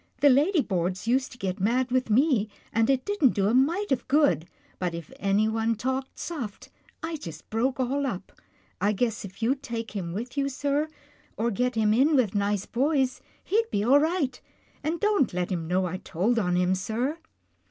" The ladyboards used to get mad with me, and it didn't do a mite of good, but if anyone talked soft, I just broke all up. I guess if you'd take him with you, sir, or get him in with nice boys, he'd be all right — and don't let him know I told on him, sir."